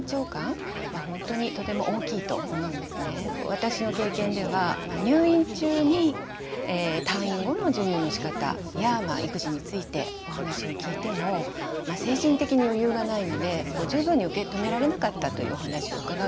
私の経験では入院中に退院後の授乳のしかたや育児についてお話を聞いても精神的に余裕がないので十分に受け止められなかったというお話を伺うことも多いです。